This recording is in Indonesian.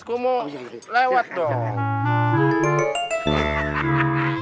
gua mau lewat dong